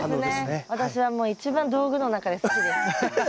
私はもう一番道具の中で好きです。